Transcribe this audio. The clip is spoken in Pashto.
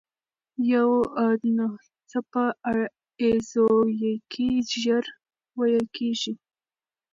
یو څپه ایز ويیکی ژر وېل کېږي.